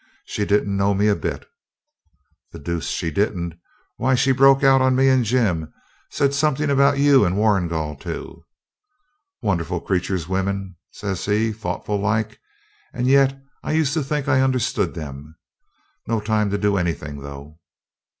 She didn't know me a bit.' 'The deuce she didn't! Why, she broke out on me and Jim. Said something about you and Warrigal too.' 'Wonderful creatures, women,' says he, thoughtful like; 'and yet I used to think I understood them. No time to do anything, though.'